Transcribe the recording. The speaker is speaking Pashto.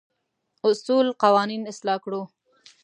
اصول قوانين اصلاح کړو.